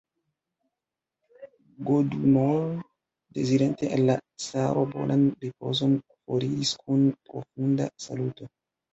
Godunov, dezirinte al la caro bonan ripozon, foriris kun profunda saluto.